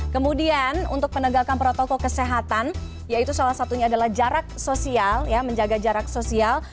kemudian untuk penegakan protokol kesehatan yaitu salah satunya adalah jarak sosial menjaga jarak sosial